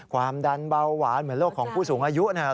ความดันเบาหวานเหมือนโรคของผู้สูงอายุนะครับ